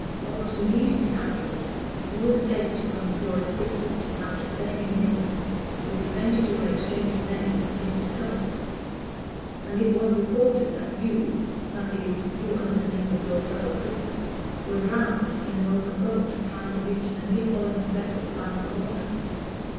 Almost immediately afterward you escaped from your imprisonment, after feigning an illness which prevented your exchange of names from being discovered; and it was reported that you that is, you under the name of your fellow prisoner were drowned in an open boat, trying to reach a Neapolitan vessel bound for Malta.